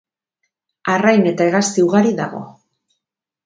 Arrain eta hegazti ugari dago.